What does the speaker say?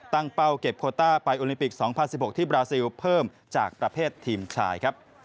เป้าเก็บโคต้าไปโอลิมปิก๒๐๑๖ที่บราซิลเพิ่มจากประเภททีมชายครับ